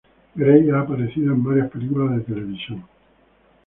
Grey ha aparecido en varias películas de televisión.